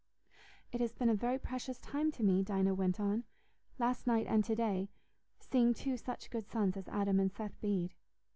"It has been a very precious time to me," Dinah went on, "last night and to day—seeing two such good sons as Adam and Seth Bede.